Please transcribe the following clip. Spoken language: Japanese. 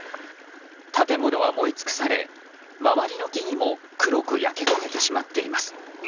建物は燃え尽くされ周りの木々も黒く焼け焦げてしまっています。